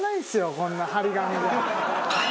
こんな貼り紙じゃ。